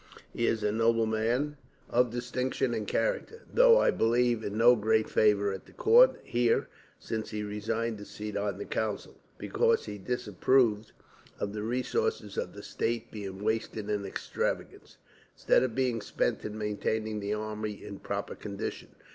He is a nobleman of distinction and character; though, I believe, in no great favour at the court here since he resigned his seat on the council, because he disapproved of the resources of the state being wasted in extravagance, instead of being spent in maintaining the army in proper condition.